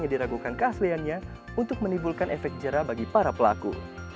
yang diragukan keasliannya untuk menimbulkan efek jerah bagi para pelaku